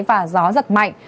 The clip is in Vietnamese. và gió giặt mạnh